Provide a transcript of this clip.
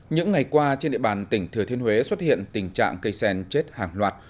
những ngày qua trên địa bàn tỉnh thừa thiên huế xuất hiện tình trạng cây sen chết hàng loạt